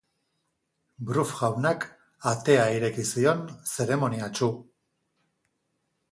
Bruff jaunak atea ireki zion zeremoniatsu.